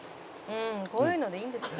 「こういうのでいいんですよ」